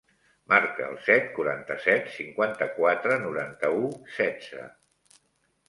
Marca el set, quaranta-set, cinquanta-quatre, noranta-u, setze.